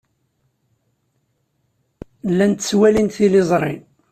Llant ttwalint tiliẓri.